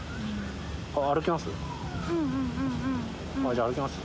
じゃあ歩きます？